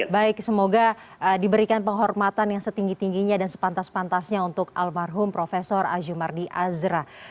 baik semoga diberikan penghormatan yang setinggi tingginya dan sepantas pantasnya untuk almarhum prof azumardi azra